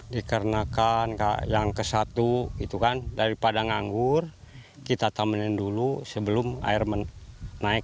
dikarenakan yang ke satu daripada nganggur kita tamanin dulu sebelum air menaik